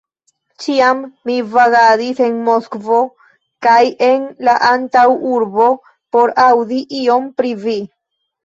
Ĉiam mi vagadis en Moskvo kaj en la antaŭurbo, por aŭdi ion pri vi!